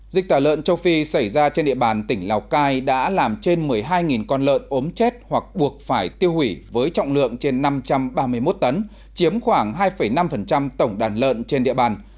dịch tả lợn châu phi xảy ra trên địa bàn tỉnh lào cai đã làm trên một mươi hai con lợn ốm chết hoặc buộc phải tiêu hủy với trọng lượng trên năm trăm ba mươi một tấn chiếm khoảng hai năm tổng đàn lợn trên địa bàn